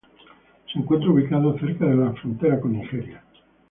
Se encuentra ubicado cerca de la frontera con Nigeria.